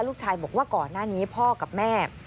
ลูกชายบอกว่าก่อนหน้านี้พ่อกับแม่